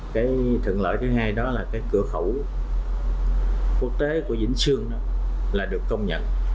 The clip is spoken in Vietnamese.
cái thượng lợi thứ hai đó là cái cửa khẩu quốc tế của vĩnh sương đó là được công nhận